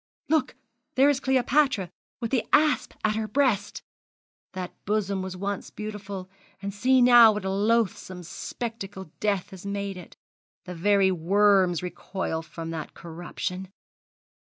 Look, there is Cleopatra with the asp at her breast! That bosom was once beautiful, and see now what a loathsome spectacle death has made it the very worms recoil from that corruption.